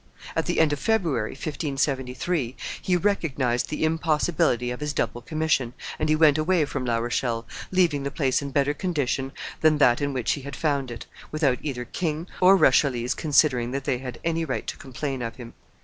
At the end of February, 1573, he recognized the impossibility of his double commission, and he went away from La Rochelle, leaving the place in better condition than that in which he had found it, without either king or Rochellese considering that they had any right to complain of him.